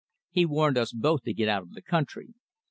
He warned us both to get out of the country.